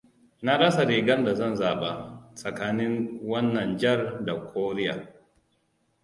Na rasa rigar da zan zaɓa; tsakanin wannan jar da koriya.